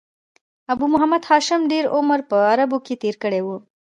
ابو محمد هاشم ډېر عمر په عربو کښي تېر کړی وو.